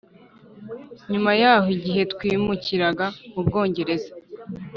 Nyuma yaho igihe twimukiraga mu Bwongereza